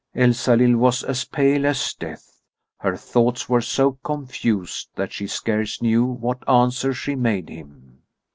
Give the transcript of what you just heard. Elsalill was as pale as death. Her thoughts were so confused that she scarce knew what answer she made him.